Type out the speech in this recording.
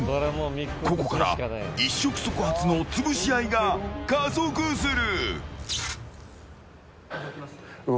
ここから一触即発の潰し合いが加速する。